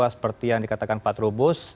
seperti yang dikatakan pak trubus